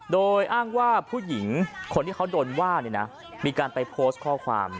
โดยอ้างว่าผู้หญิงคนที่เขาโดนว่ามีการไปโพสต์ข้อความ